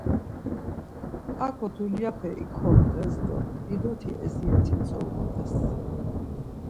Aǩo dulyape ikomt̆es do didoti eziyet̆i ntzorumt̆es.